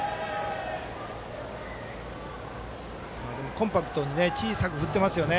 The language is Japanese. コンパクトに小さく振ってますね。